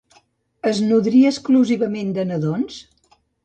Es nodria exclusivament de nadons?